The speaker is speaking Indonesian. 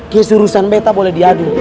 kisurusan beta boleh diadu